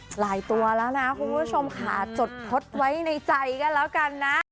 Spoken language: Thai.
หลายตัวแล้วนะคุณผู้ชมค่ะจดทดไว้ในใจกันแล้วกันนะ